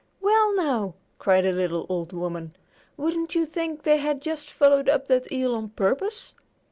"Well, now," cried the little old woman, "wouldn't you think they had just followed up that eel on purpose?